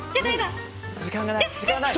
時間がない。